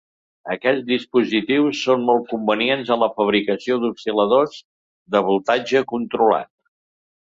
Aquests dispositius són molt convenients en la fabricació d'oscil·ladors de voltatge controlat.